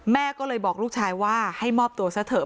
แม่ก็เลยบอกลูกชายว่าให้มอบตัวซะเถอะ